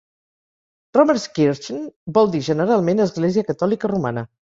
Rommerskirchen vol dir generalment església catòlica romana.